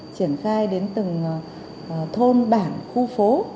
triển khai đến từng thôn bảng khu phố